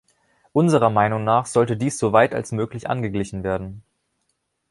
Unserer Meinung nach sollte dies so weit als möglich angeglichen werden.